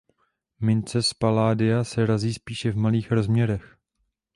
Mince z palladia se razí spíše v malých rozměrech.